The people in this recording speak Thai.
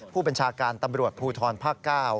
ผู้บัญชาการตำรวจภูทรภาค๙